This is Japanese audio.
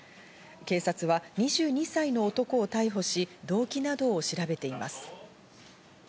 警察は２２歳の男を逮捕し、動機などを調べています。